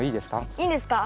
いいんですか？